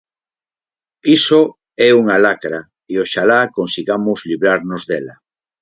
Iso é unha lacra e oxalá consigamos librarnos dela.